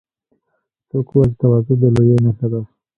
څوک وایي چې تواضع د لویۍ نښه ده